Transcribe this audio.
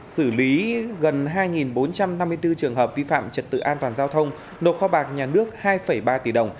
xử lý gần hai bốn trăm năm mươi bốn trường hợp vi phạm trật tự an toàn giao thông nộp kho bạc nhà nước hai ba tỷ đồng